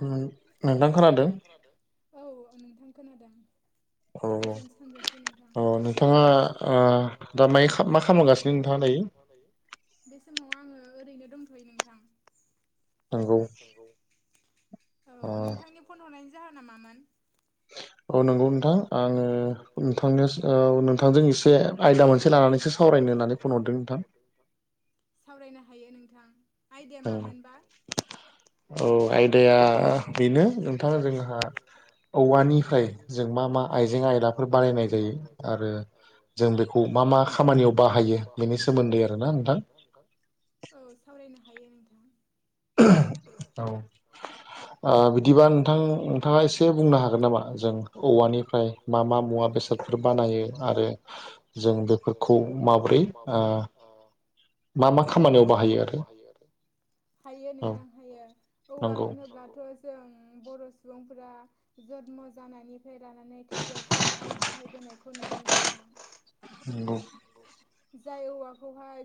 उम नोंथां। नोंथां खोनादों औ ओं नोंथां खोनादों। गोजोन सानजोफु नोंथां अ नोंथाङा ओ दा माय मा खालामगासिनो। बे समाव आङो ओरैनो दंथ'यो नोंथां। नंगौ औ नोंथांनि फन हरनायनि जाहोना मामोन? औ नोंगौ नोंथां आङो नोंथांनो औ नोंथांजों एसे आयदा मोनसे लानानैसो सावरायनो होननानै फन हरदों नोंथां। सावरायनो हायो नोंथां आयडाया मामोनबा। औ आयदाया बेनो नोंथाङा जोंहा औवानिफ्राय जों मा मा आयजें आयलाफोर बानायायनाय जायो आरो जों बेखौ मा मा खामानियाव बाहायो। बेनि सोमोन्दै आरोना नोंथां। औ सावरायनो हायो नोंथां। औ। ओ बिदिबा नोंथां नोंथाङा एसे बुंनो हागोन नामा जों औवानिफ्राय मा मा मुवा बेसादफोर बानायो आरो जों बेफोरखौ माबोरै ओ मा मा खामानियाव बाहायो आरो। हायो नोंथां हायो औवा होनोब्लाथ' जों बर' सुबुंफोरा जन्म जानानि फ्राय लानानै थैजासिम आं बाहायबोनायखौ नुदों नोंथां। नोंगौ। जाय औवाखौहाय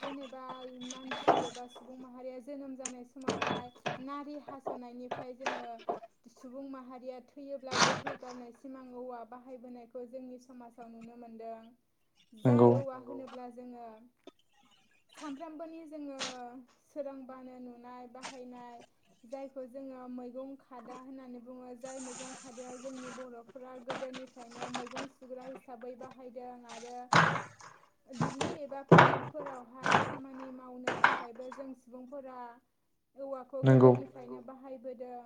जेनेबा मानसि एबा सुबुं माहारिया जोनोम जानाय समावहाय नारि हास'नायनिफ्राय जोङो सुबुं माहारिया थैयोब्ला गोथै गारनाय सिमां औवा बाहायबोनायखौ जोंनि समाज फ्राव नुनो मोनदों जाय औवा होनोब्ला जोङो सानफ्रामबोनि जोङो सोरांबानो नुनाय बाहायनाय। जायखौ जोङो मैगं खादा होननानै बुङो जाय मैगं खादायाव जोंनि बर' फोरा गोदोनिफ्रायनो मैगं सुग्रा हिसाबै बाहायदों आरो दुब्लि एबा फोथारफोरावहाय खामानि मावनो थाखायबो जों सुबुंफोरा औवाखौ गोदोनिफ्रायनो बाहायबोदों।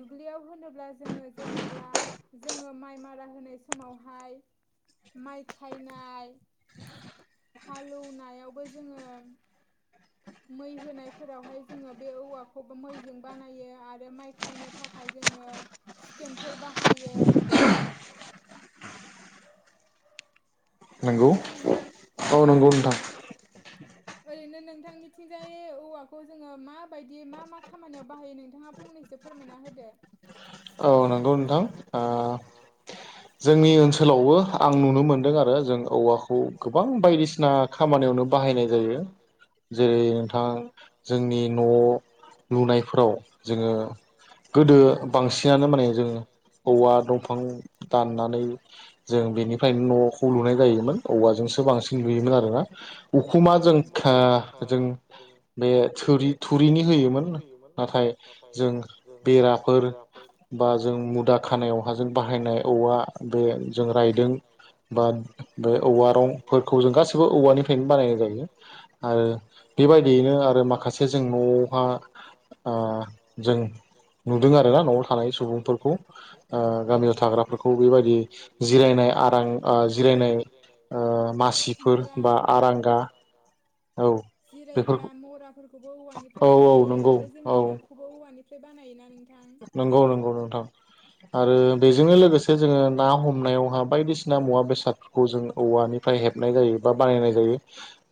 दुब्लियाव होनोब्ला जोङो जेनेब्ला जोङो माय मारा होनाय समावहाय मायथायनाय हालौवनायावबो जोङो मै होनायफोरावहाय जोङो बे औवाखौबो मैजों बानायो आरो माय थायनो थाखाय जोङो सुकेनफोर बाहायो। नंगौना नोंथां औ नोंगौ नोंथां। ओरैनो नोंथांनिथिंजाय औवाखौ जोङो माबायदि मा मा खामानियाव बाहायो नोंथाङा फंनैसो एसे फोरमायना होदो। औ नंगौ नोंथां आ जोंनि ओनसोलावबो आं नुनो मोनदों आरो जों औवाखौ गोबां बायदिसिना खामानियावनो बाहायनाय जायो। जेरै नोंथां जोंनि न' लुनायफोराव जोङो गोदो बांसिनानो माने जोंङो औवा दंफां दाननानै जों बेनिफ्रायनो न'खौ लुनाय जायोमोन औवाजोंसो बांसिन लुयोमोन आरोना उखुमा जों का जों बे थुरि थुरिनि होयोमोन नाथाय जों बेराफोर बा जों मुदा खानाय जों औहाजों बाहायनाय औवा बे जों रायदों बा बे औवा रंफोरखौ जों गासिबो औवानिफ्रायनो बानायनाय जायो। आरो बेबायदियैनो आरो माखासे जों न'आवहा ओ जों नुंदों आरोना न'आव थानाय सुबुंफोरखौ ओ गामियाव थाग्राफोरखौ। बबेबादि जिरनाय आरां ओ जि ओ ओ मासिफोर बा आरांगा जिरायग्रा मराफोरखौबो औवानिफ्राय बानायो आरो जोंङो न'खौ औवानिफ्राय बानायोना नोंथां नंगौ नंगौ नोंथां आरो बेजोंनो लोगोसे जोंङो ना हम हमनायावहा बायदिसिना मुवा बेसादफोरखौ जों औवानिफ्राय हेबनाय जायो बा बानायनाय जायो।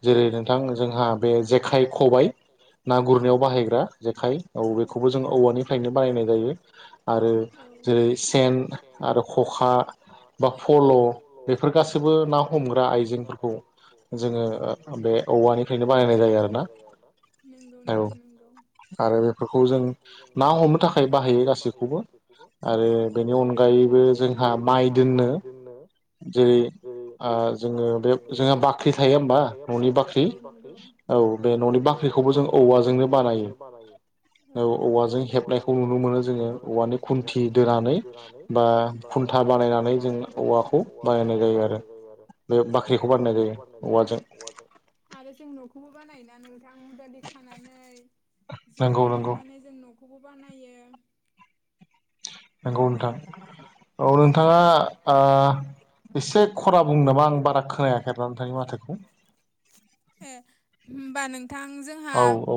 जेरै नोंथां जोंहा बे जेखाइ, खबायाइ। ना गुरनायाव बाहायग्रा जेखाइ औ बेखौबो जों औवानिफ्रायनो बानायनाय जायो। आरो जेरै सेन आरो खखा बा फल' बेफोर गासैबो ना हमग्रा आइजेंफोरखौ जोङो ओ बे औवानिफ्रायनो बानायनाय जायो आरोना औ आरो बेफोरखौ जों ना हमो नो थाखाय बाहायो गासैखौबो आरो बेनि अनगायैबो जोंहा माइ दोननो जेरै ओ जोंङो बे जोंहा बा बाख्रि थायो होमबा न'नि बाख्रि औ बे न'नि बाख्रिखौबो जों औवाजोंनो बानायो बानायायो। औ औवाजों हेब नायखौ नुनो मोनो जोंङो औवानि खुन्थि दोनानै बा खुन्था बानायनानै जों औवाखौ खौ बाहायनाय जायो आरो बे बाख्रिखौ बानायनाय जायो। आरो जों न'खौबो बानायोना नोंथां मुदालि खानानै जेवरा दुमनानै जों न'खौबो बानायो। नंगौ नोंथां औ नोंथाङा आ एसे खरा बुंनोबा आं बारा खोनायाखै ना नोंथांनि माथोखौ ए होमबा नोंथांजों औ औ।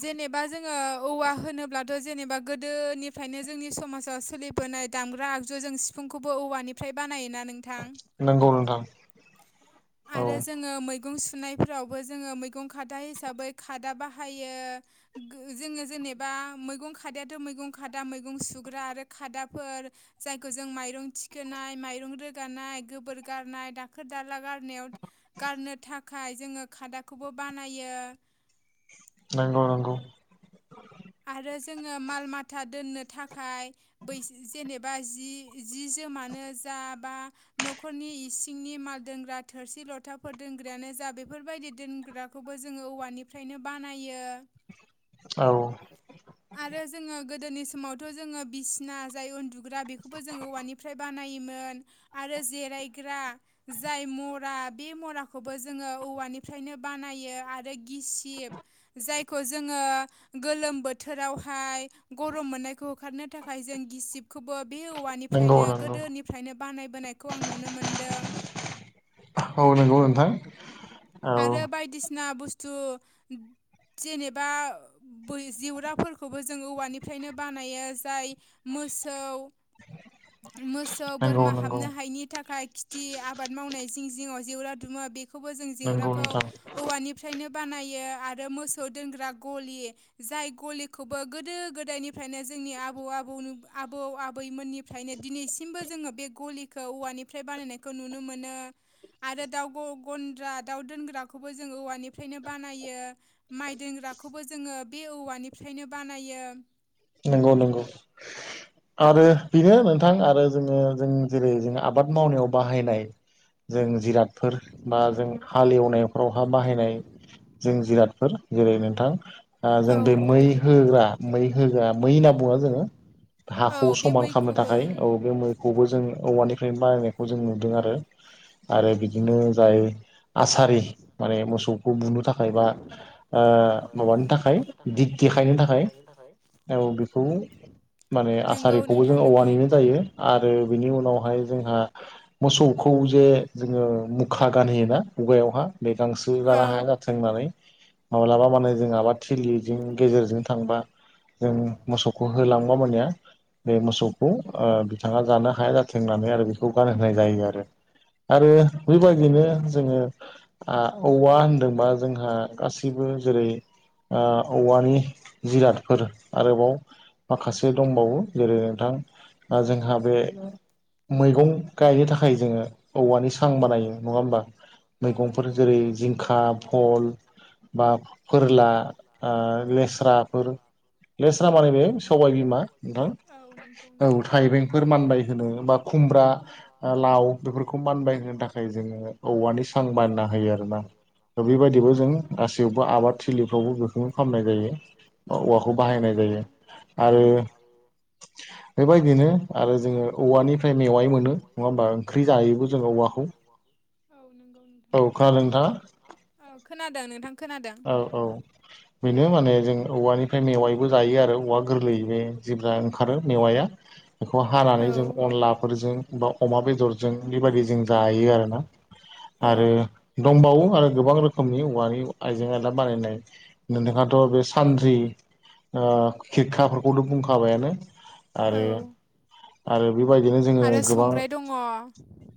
जेनेबा जोंङो औवा होनोब्लाथ' जेनेबा गोदोनिफ्रायनो जोंनि समाजाव सोलिब बोनाय दामग्रा आगजुजों सिफुंखौबो औवानिफ्राय बानायोना नोंथां नोंगौ नोंथां आरो जोंङो मैगं सुनायफोरावबो जोंङो मैगं खादा हिसाबै खादा बाहायो गो जोंङो जेनेबा मैगं खादायाथ' मैगं खादा मैगं सुग्रा आरो खादाफोर जायखौ जों माइरं थिखोनाय, माइरं रोगानाय, गोबोर गारनाय दाखोर दाला गार नायाव गारनो थाखाय जोंङो खादाखौबो बानायो नोंगौ नोंगौ। आरो जोंङो माल माथा दोननो थाखाय बै जेनेबा जि जि जोमानो जा बा न'खरनि इंसिंनि माल दोनग्रा थोरसि लथाफोर दोनग्रायानो जा बेफोरबायदि दोनग्रा खौबो जोंङो औवानिफ्रायनो बानायो औ। आरो जोंङो गोदोनि समावथ' जोंङो बिसिना जाय उन्दु ग्रा बेखोबो जों औवानिफ्राय बानायोमोन आरो जिरायग्रा जाय मरा बे मराखौबो जोंङो औवानिफ्रायनो बानायो आरो गिसिब जायखौ जोंङो गोलोम बोथ थोरावहाय गरम मोननायखौ होखारनो थाखाय जों गिसिब खौबो बे औवानिफ्रायनो गोदोनिफ्रायनो बानायबोनायखौ आं नुनो मोनदों औ नोंगौ नोंथां आरो बायदिसिना बुस्थु जेनेबा बै जिवराफोरखौबो जों औवानिफ्रायनो बानायो जाय मोसौ मोसौ बोरमा हाबनो हायैनि थाखाय खिथ थि आबाद मावनाय जिं जिङाव जेवरा दुमो बेखौबो जों जेवराखौ औवानिफ्रायनो बानायो आरो मोसौ दोनग्रा गलि जाय गलिखौबो गोदो गोदायनिफ्रायनो जोंनि आबौ आबौनि आबौ आबैमोननि निफ्रायनो दिनैसिमबो जोङो बे गलि खौ औवानिफ्राय बानायनायखौ नुनो मोनो आरो दाउ गन्द्रा दाउ दोनग्राखौबो जों औवानिफ्रायनो बानायो माइ दोनग्राखौबो जोङो बे औवानि फ्रायनो बानायो नंगौ नंगौ आरो बेनो नोंथां आरो जोङो जों जेरै जों आबाद मावनायाव बाहायनाय जों जिरादफोर बा जों हालेवनायफ्रावहा बाहायनाय जों जिरादफोर जेरै नोंथां जों बे मै होग्रा मै होग्रा मै होनना बुङो जोङो हाखौ समान खालामनो थाखाय औ बे मै खौबो जों औवानिफ्रायनो बानायायनायखौ जों नुदों आरो आरो बिदिनो जाय आसारि माने मोसौखौ बुनो थाखाय बा ओ माबानि थाखाय दिग देखायनो थाखाय थाखाय औ बेखौ माने आसारिखौबो जों औवानिनो जायो आरो बेनि उनावहाय जोंहा मोसौखौ जे जोङो मुखा गानहोयोना खुगायावहा बे गांसो जानो हाया जाथों होननानै माब्लाबा माने जों आबाद थिलिजों गेजेरजों थांबा जों मोसौखौ होलांबा माने बे मोसौखौ ओ बिथाङा जानो हाया जाथो थों होननानै आरो बेखौ गानहोनाय जायो आरो आरो बेबायदिनो जोङो ओ औवा होनदोंबा जोंहा गासैबो जेरै ओ औवानि जिरादफोर आरोबाव माखासे दंबावो जेरै नोंथां जोंहा बे मैगं गायनो थाखाय जोङो औवानि सां बानायो नङा होमबा मैगंफोर जेरै जिंखा फल बा फोरला ओ लेस्राफोर लेस्रा माने बेे सबाय बिमा नोंथां औ थाइबेंफोर मानबाय होनो बा खुमब्रा लाव बेफोरखौ मानबाय होनो थाखाय जोङो औवानि सां बानना होयो आरोना बेबायदिबो जों गासैयावबो आबाद थिलिफ्रावबो बेखौनो खालामनाय जायो औवाखौ बाहायनाय जायो आरो बेबायदिनो आरो जोङो औवानिफ्राय मेवाय मोनो नङा होमबा ओंख्रि जायोबो जोङो औवाखौ औ नंगौ नो औ खोनादों नोंथाङा औ खोनादों नोंथां औ औ बेनो माने जों औवानिफ्राय मेवायबो जायो आरो औवा गोरलै बे जेब्ला ओंखारो मेवाया बेखौ हानानै जों अनलाफोरजों बा अमा बेदरजों बेबायदि जों जायो आरोना आरो दंबावो आरो गोबां रोखोमनि औवानि आइजें आइला बानायनाय नोंथाङाथ' बे सानद्रि ओ खिरखाफोरखौनो बुंखाबायानो आरो आरो बेबायदिनो जोङो गोबां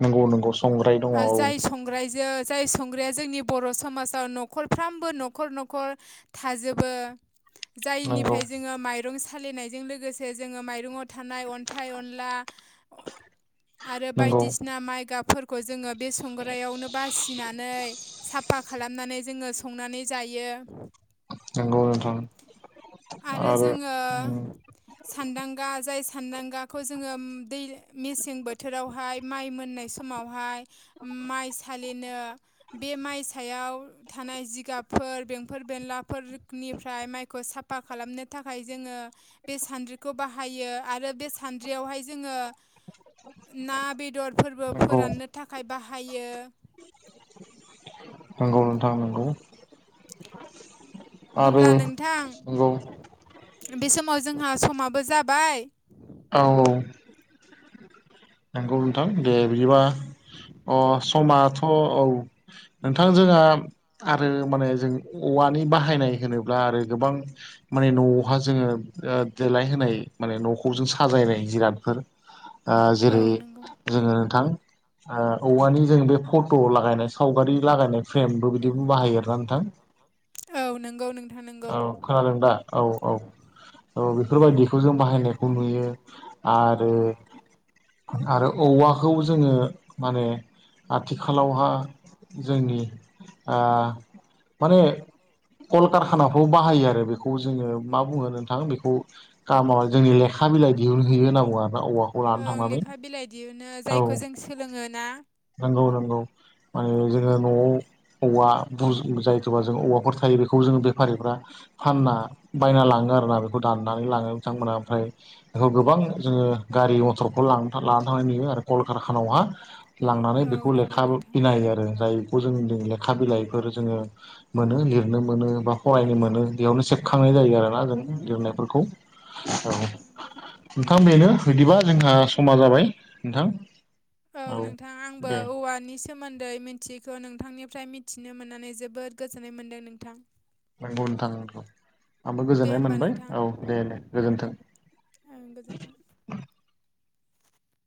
नंगौ नंगौ जाय सु संग्रायजो जाय संग्राया जोंनि बर' समाजाव न'खरफ्रामबो न'खर न'खर थाजोबो जायनिफ्राय जोङो माइरं माइरं सालिनायजों लोगोसे जोङो माइरंआव थानाय अन्थाइ अनला आरो बायदिसिना माइगाबफोरखौ जोङो बे संग्रायावनो बासिनानै साफा खालामनानै जोङो संनानै जायो नंगौ नोंथां आरो जोङो सान्दांगा जाय सान्दांगाखौ जोङो दै मेसें बोथोरावहाय माइ मोननाय समावहाय माइ सालिनो बे माइ सायाव थानाय जिगाबफोर बेंफोर बेनलाफोरनिफ्राय माइखौ साफ साफा खालामनो थाखाय जोङो बे सानद्रिखौ बाहायो आरो बे सानद्रियावहाय जोङो ना बेदरफोरबो फोराननो थाखाय बाहायो नंगौ नोंथां नंगौ होमब्ला नोंथां बे समाव जोंहा समाबो जाबाय औ औ नंगौ नोंथां दे बिदिबा अ समाथ' औ नोंथां जोंहा आरो माने जों औवानि बाहायनाय होनोब्ला आरो गोबां माने न'आवहा जोङो ओ देलायहोनाय माने न'खौ जों साजायनाय जिरादफोर ओ जेरै जोङो नोंथां ओ औवानि जों बे फट' लागायनाय सावगारि लागायनाय फ्रेमबो बिदि बुं बाहायो आरो नोंथां औ खोनादों दा औ औ बेफोरबायदिखौ जों बाहायनायखौ नुयो आरो आरो औवाखौ जोङो माने आथिखालावहा जोंनि ओ माने कलकारखानाफ्राव बाहायो आरो बेखौ जोङो मा बुङो नोंथां बेखौ [unintelligible] जोंनि लेखा बिलाइ दिहुनहोयो होननाङो ना औवाखौ लान ओ लेखा बिलाइ दिहुनो जायखौ जों सोलोङो ना नोंगौ नोंगौ माने जोङो न'आव औवा जायथबा जों औवाफोर थायो बेखौ जों बेफारिफ्रा फानना बायना लाङो आरोना बेखौ दाननानै लाङो बिथांमोना ओमफ्राय बेखौ गोबां जोङो गारि मथरखौ लां लानानै थांनाय नुयो आरो कलकारखानावहा लांनानै बेखौ लेखाबो फिनायो आरो जाय खौ जों लेखा बिलाइफोर जोङो मोनो लिरनो मोनो बा फरायनो मोनो बेयावनो सेबखांनाय जायो आरोना जों लिरनायफोरखौ औ नोंथां बेनो बिदिबा जोंहा समा जाबाय नोंथां औ नोंथां आंबो औ औवानि सोमोन्दै मिथियैखौ नोंथांनिफ्राय मिथिनो मोननानै जोबोद गोजोननाय मोनदों नोंथां नंगौ नोंथां [unintelligible] आंबो गोजोननाय मोनबाय औ दे दे गोजोन्थों ओ गोजोन्थों